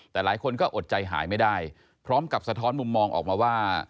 แต่หลายคนก็อดใจหายไม่ได้พร้อมกับสะท้อนมุมมองออกมาว่า